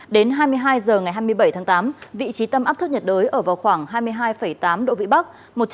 đến hai mươi hai h ngày hai mươi bảy tháng tám vị trí tâm áp thấp nhiệt đới ở vào khoảng hai mươi hai tám độ vĩ bắc